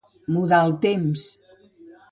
Mudar el temps.